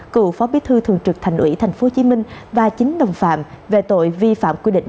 cựu phó bí thư thường trực thành ủy tp hcm và chín đồng phạm về tội vi phạm quy định